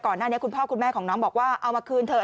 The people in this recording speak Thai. ก่อนหน้านี้คุณพ่อคุณแม่ของน้องบอกว่าเอามาคืนเถอะ